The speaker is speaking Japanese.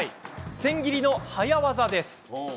千切りの早ワザです。